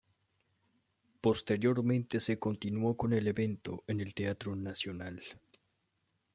Posteriormente se continuó con el evento en el Teatro Nacional.